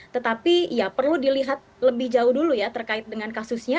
tetapi ya perlu dilihat lebih jauh dulu ya terkait dengan kasusnya